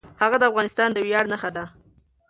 هغه د افغانستان د ویاړ نښه ده.